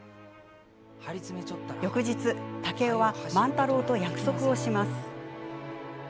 翌日、竹雄は万太郎と約束をします。